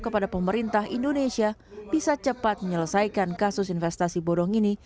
kepada pemerintah indonesia bisa cepat menyelesaikan kasus investasi bodong ini